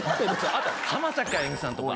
あと浜崎あゆみさんとか。